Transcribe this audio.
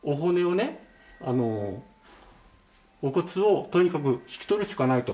お骨をとにかく引き取るしかないと。